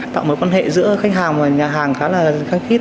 tạo mối quan hệ giữa khách hàng và nhà hàng khá là khăng khít